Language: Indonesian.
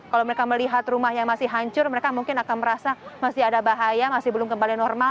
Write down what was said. kalau mereka melihat rumah yang masih hancur mereka mungkin akan merasa masih ada bahaya masih belum kembali normal